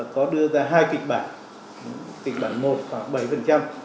có đưa ra hai kịch bản kịch bản một khoảng bảy